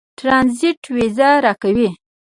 ټرنزیټ وېزه راکړي.